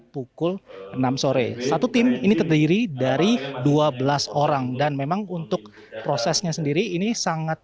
pukul enam sore satu tim ini terdiri dari dua belas orang dan memang untuk prosesnya sendiri ini sangat